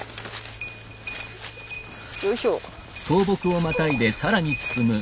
よいしょ。